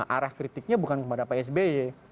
arah kritiknya bukan kepada pak sby